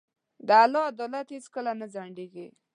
د الله عدالت هیڅکله نه ځنډېږي.